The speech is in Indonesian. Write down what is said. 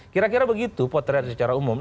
kira kira begitu potensi secara umum